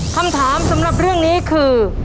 คำถามสำหรับเรื่องนี้คือ